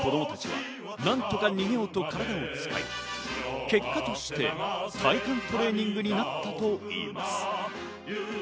子供たちはなんとか逃げようと体を使い、結果として体幹トレーニングになったといいます。